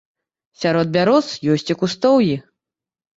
Сярод бяроз ёсць і кустоўі.